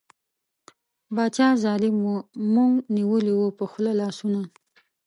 باچا ظالیم وو موږ نیولي وو په خوله لاسونه